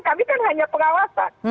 kami kan hanya pengawasan